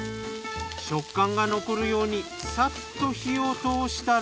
食感が残るようにサッと火を通したら。